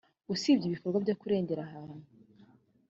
usibye ibikorwa byo kurengera ahantu